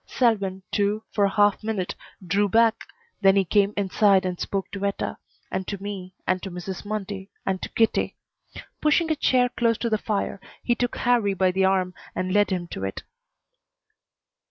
Selwyn, too, for a half minute drew back, then he came inside and spoke to Etta, and to me, and to Mrs. Mundy, and to Kitty. Pushing a chair close to the fire, he took Harrie by the arm and led him to it.